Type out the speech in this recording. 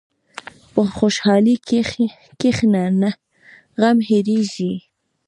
په خوشحالۍ کښېنه، غم هېرېږي.